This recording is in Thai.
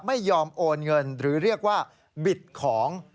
ไม่ยอมโอนเงินหรือเรียกว่าบิดของ